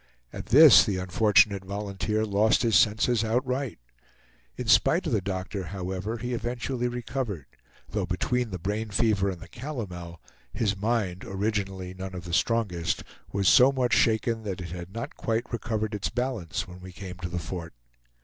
At this the unfortunate volunteer lost his senses outright. In spite of the doctor, however, he eventually recovered; though between the brain fever and the calomel, his mind, originally none of the strongest, was so much shaken that it had not quite recovered its balance when we came to the fort.